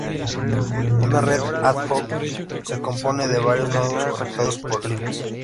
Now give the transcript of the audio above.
Una red "ad hoc" se compone de varios "nodos" conectados por ""links"".